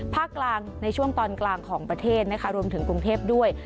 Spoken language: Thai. กลางในช่วงตอนกลางของประเทศนะคะรวมถึงกรุงเทพด้วย